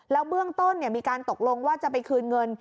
เบื้องต้นมีการตกลงว่าจะไปคืนเงิน